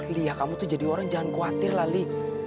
li ya kamu tuh jadi orang jangan khawatir lah li